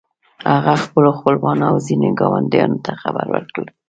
هغه خپلو خپلوانو او ځينو ګاونډيانو ته خبر ورکړ.